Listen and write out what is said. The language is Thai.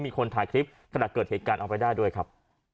มีคนถ่ายคลิปขณะเกิดเหตุการณ์เอาไว้ได้ด้วยครับ